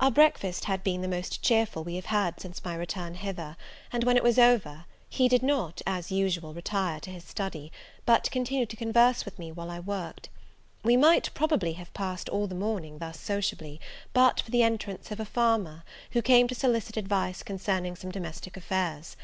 Our breakfast had been the most cheerful we have had since my return hither; and when it was over, he did not, as usual, retire to his study, but continued to converse with me while I worked. We might, probably, have passed all the morning thus sociably, but for the entrance of a farmer, who came to solicit advice concerning some domestic affairs.